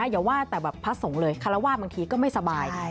อย่าว่าแต่แบบพระสงฆ์เลยคารวาสบางทีก็ไม่สบาย